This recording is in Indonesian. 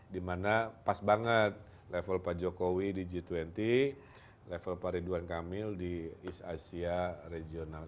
dimana pas banget level pak jokowi di g dua puluh level pak ridwan kamil di east asia regional